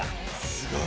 すごい。